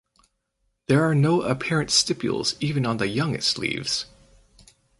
There are no apparent stipules even on the youngest leaves.